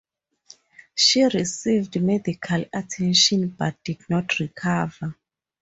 She received medical attention, but did not recover.